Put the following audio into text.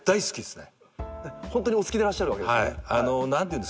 ホントにお好きでいらっしゃるわけですね。